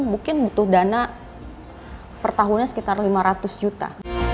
mungkin butuh dana pertahunnya sekitar lima ratus juta